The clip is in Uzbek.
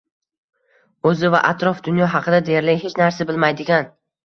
o‘zi va atrof dunyo haqida deyarli hech narsa bilmaydigan